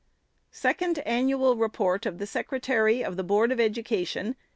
SECOND ANNUAL REPORT SECRETARY OF THE BOARD OF EDUCATION.